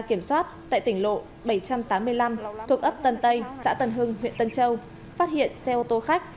kiểm soát tại tỉnh lộ bảy trăm tám mươi năm thuộc ấp tân tây xã tân hưng huyện tân châu phát hiện xe ô tô khách